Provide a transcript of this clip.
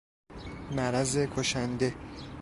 مرض کشنده